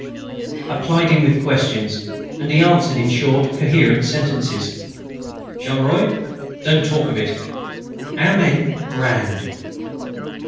I plied him with questions, and he answered in short incoherent sentences: "Charleroi? Don't talk of it!... Our men? Grand!...